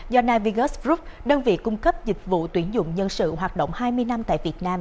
do navigate group đơn vị cung cấp dịch vụ tuyển dụng nhân sự hoạt động hai mươi năm tại việt nam